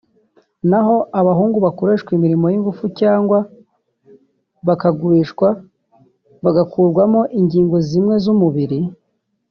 naho abahungu bakoreshwa imirimo y’ingufu cyangwa bakagurishwa bagakurwamo ingingo zimwe z’umubiri